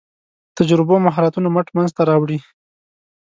تجربو مهارتونو مټ منځ ته راوړي.